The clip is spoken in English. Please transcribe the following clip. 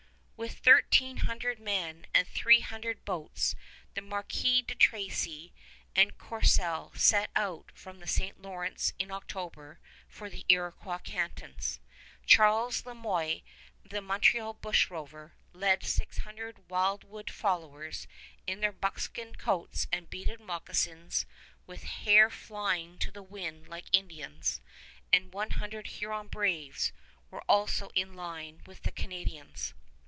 With thirteen hundred men and three hundred boats the Marquis de Tracy and Courcelle set out from the St. Lawrence in October for the Iroquois cantons. Charles Le Moyne, the Montreal bushrover, led six hundred wild wood followers in their buckskin coats and beaded moccasins, with hair flying to the wind like Indians; and one hundred Huron braves were also in line with the Canadians.